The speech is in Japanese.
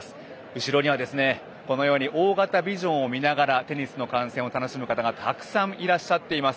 後ろには大型ビジョンを見ながらテニスの観戦を楽しむ方がたくさんいらっしゃっています。